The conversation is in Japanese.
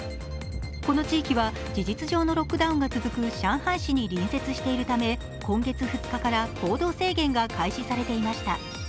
この地域は事実上のロックダウンが続く上海市に隣接しているため今月２日から行動制限が開始されていました。